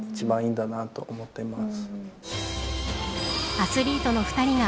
アスリートの２人が